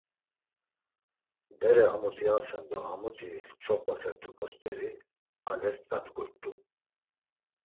Bere a muti asen do hamuti ç̌opasert̆uǩo st̆eri alest̆ra dgurt̆u.